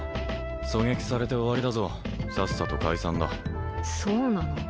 狙撃されて終わりだぞさっさと解散だそうなの？